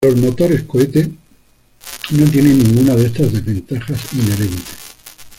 Los motores cohete no tienen ninguna de estas desventajas inherentes.